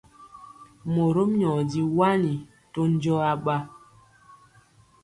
Morom nyɔ di wani to njɔɔ aɓa.